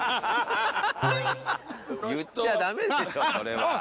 言っちゃダメでしょそれはあっ！